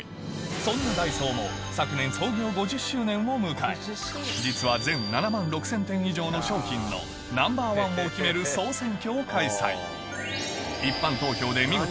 そんなダイソーも昨年創業５０周年を迎え実は全７万６０００点以上の商品のナンバーワンを決める総選挙を開催